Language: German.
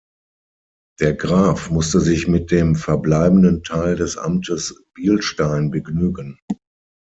Der Graf musste sich mit dem verbleibenden Teil des Amtes Bilstein begnügen.